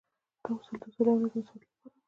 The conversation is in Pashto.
دا اصول د سولې او نظم د ساتلو لپاره وو.